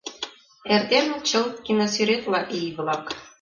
Эртеныт чылт киносӱретла ий-влак.